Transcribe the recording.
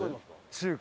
中華！